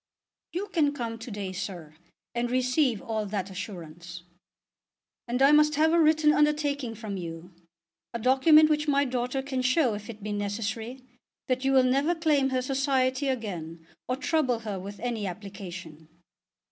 "You can come to day, sir, and receive all that assurance." "And I must have a written undertaking from you, a document which my daughter can show if it be necessary, that you will never claim her society again or trouble her with any application."